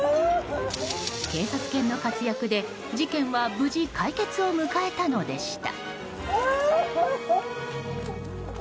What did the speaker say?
警察犬の活躍で、事件は無事解決を迎えたのでした。